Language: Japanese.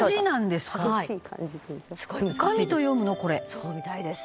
「そうみたいです」